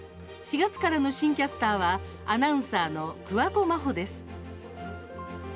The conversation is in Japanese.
４月からの新キャスターはアナウンサーの桑子真帆です。